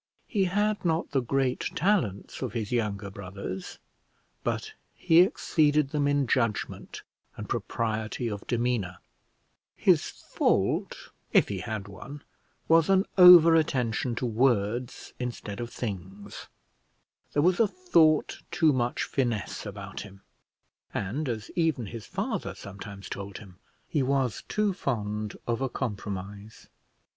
He had not the great talents of his younger brothers, but he exceeded them in judgment and propriety of demeanour; his fault, if he had one, was an over attention to words instead of things; there was a thought too much finesse about him, and, as even his father sometimes told him, he was too fond of a compromise.